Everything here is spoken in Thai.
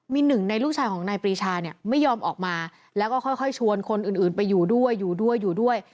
มีหนึ่งในลูกชายของนายปรีชาไม่ยอมออกมาแล้วก็ค่อยชวนคนอื่นไปอยู่ด้วย